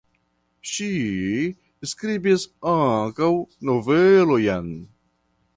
Ŝi skribis ankaŭ novelojn.